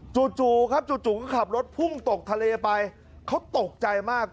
จู่ครับจู่ก็ขับรถพุ่งตกทะเลไปเขาตกใจมาก